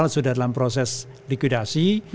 sudah dalam proses likudasi